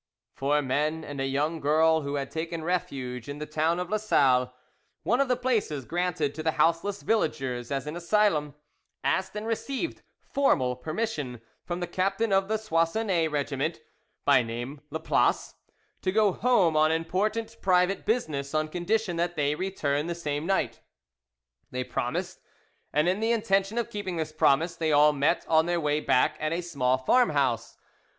Four men and a young girl who had taken refuge in the town of Lasalle, one of the places granted to the houseless villagers as an asylum, asked and received formal permission from the captain of the Soissonais regiment, by name Laplace, to go home on important private business, on condition that they returned the same night. They promised, and in the intention of keeping this promise they all met on their way back at a small farmhouse.